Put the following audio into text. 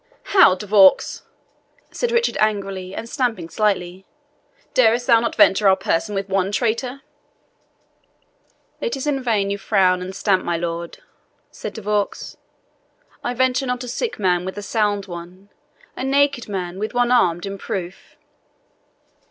"How! De Vaux," said Richard angrily, and stamping slightly, "darest thou not venture our person with one traitor?" "It is in vain you frown and stamp, my lord," said De Vaux; "I venture not a sick man with a sound one, a naked man with one armed in proof."